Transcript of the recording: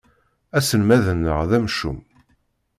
Aselmad-nneɣ d amcum.